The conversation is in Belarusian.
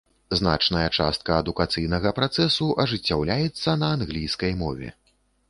Значная частка адукацыйнага працэсу ажыццяўляецца на англійскай мове.